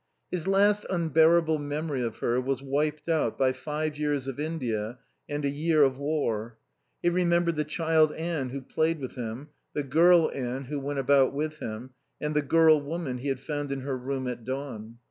His last unbearable memory of her was wiped out by five years of India and a year of war. He remembered the child Anne who played with him, the girl Anne who went about with him, and the girl woman he had found in her room at dawn.